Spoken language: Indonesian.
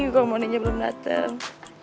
kalau moninya belum dateng